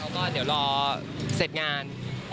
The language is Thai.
ก็เดี๋ยวรอเสร็จงาน